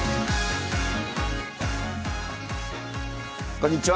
こんにちは。